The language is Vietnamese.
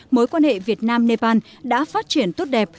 mối quan hệ việt nam nepal đã phát triển tốt đẹp